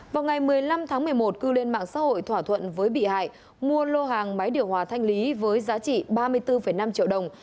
vào ngày một mươi năm tháng một mươi một cư lên mạng xã hội thỏa thuận với bị hại mua lô hàng máy điều hòa thanh lý với giá trị ba mươi bốn năm triệu đồng